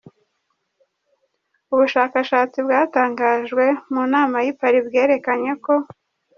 Ubushakashatsi bwatangajwe mu nama y'i Pari bwerekanye ko: .